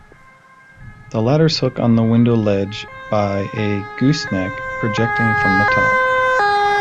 The ladders hook onto the window ledge by a "gooseneck" projecting from the top.